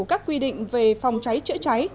các quy định về phòng cháy chữa cháy